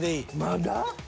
まだ？